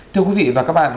thưa quý vị và các bạn